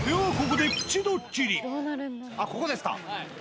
ここですか？